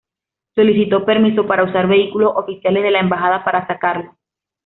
Solicitó permiso para usar vehículos oficiales de la embajada para sacarlo.